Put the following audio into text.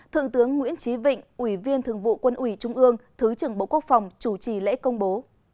thượng tướng nguyễn trí vịnh ủy viên thường vụ quân ủy trung ương thứ trưởng bộ quốc phòng chủ trì lễ công bố